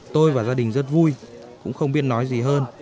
tôi và gia đình rất vui cũng không biết nói gì hơn